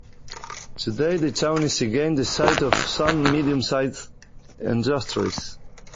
Today the town is again the site of some medium-sized industries.